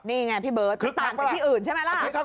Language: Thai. นี่ไงพี่เบิร์ตคือต่างไปที่อื่นใช่ไหมล่ะ